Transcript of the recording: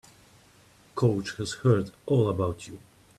Coach has heard all about you.